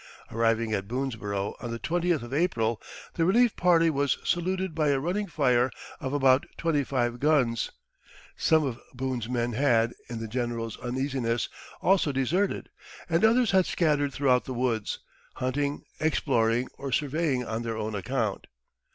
Arriving at Boonesborough on the twentieth of April, the relief party was "saluted by a running fire of about twenty five guns." Some of Boone's men had, in the general uneasiness, also deserted, and others had scattered throughout the woods, hunting, exploring, or surveying on their own account.